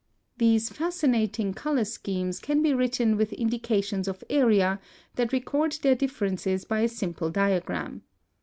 These fascinating color schemes can be written with indications of area that record their differences by a simple diagram.